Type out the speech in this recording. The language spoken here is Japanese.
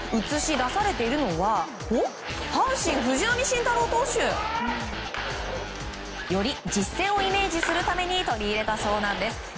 映し出されているのは阪神・藤浪晋太郎投手。より実践をイメージするために取り入れたそうなんです。